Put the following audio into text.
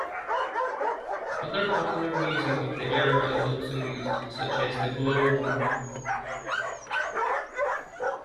Other popular music of the era is also used, such as The Glow-Worm.